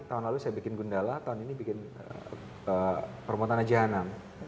tahun lalu saya bikin gundala tahun ini bikin promo tanah jahanam